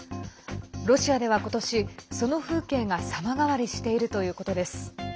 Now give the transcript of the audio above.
ロシアでは今年、その風景が様変わりしているということです。